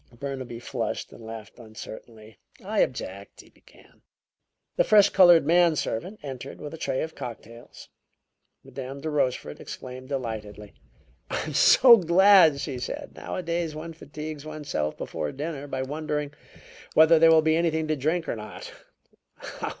Burnaby flushed and laughed uncertainly. "I object " he began. The fresh colored man servant entered with a tray of cocktails. Madame de Rochefort exclaimed delightedly. "I'm so glad," she said. "Nowadays one fatigues oneself before dinner by wondering whether there will be anything to drink or not.